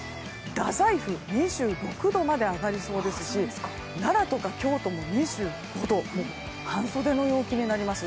太宰府２６度まで上がりそうですし奈良とか京都も２５度半袖の陽気になります。